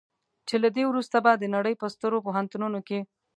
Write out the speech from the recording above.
چې له دې وروسته به د نړۍ په سترو پوهنتونونو کې.